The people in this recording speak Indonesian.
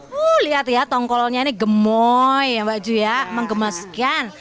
wuh lihat ya tongkolnya ini gemoy ya mbak ju ya menggemas sekian